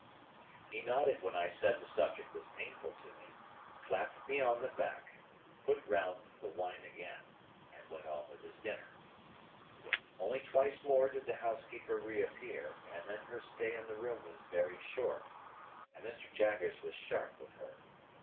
He nodded when I said the subject was painful to me, clapped me on the back, put round the wine again, and went on with his dinner. Only twice more did the housekeeper reappear, and then her stay in the room was very short, and Mr. Jaggers was sharp with her.